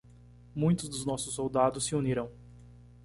Muitos dos nossos soldados se uniram.